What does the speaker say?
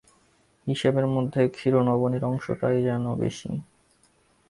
হিসেবের মধ্যে ক্ষীর-নবনীর অংশটাই বেশি।